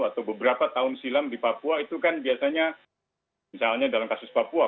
atau beberapa tahun silam di papua itu kan biasanya misalnya dalam kasus papua